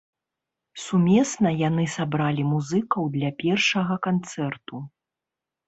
Сумесна яны сабралі музыкаў для першага канцэрту.